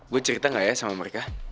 gue cerita nggak ya sama mereka